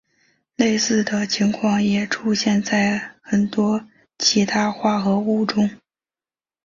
类似的情况也出现在很多其他化合物中。